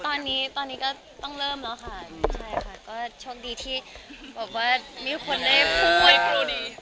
ฝึกค่ะคือตอนนี้ก็ต้องเริ่มแล้วค่ะใช่ค่ะก็โชคดีที่บอกว่ามีคนได้พูด